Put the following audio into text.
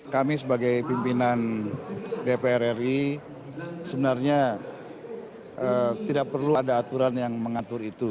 kami sebagai pimpinan dpr ri sebenarnya tidak perlu ada aturan yang mengatur itu